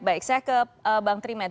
saya ke bang trimet